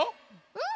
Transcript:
うん！